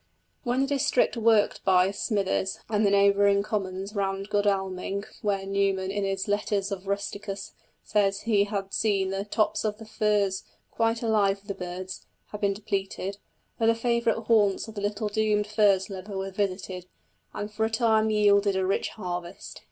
When the district worked by Smithers, and the neighbouring commons round Godalming, where Newman in his Letters of Rusticus says he had seen the "tops of the furze quite alive with these birds," had been depleted, other favourite haunts of the little doomed furze lover were visited, and for a time yielded a rich harvest.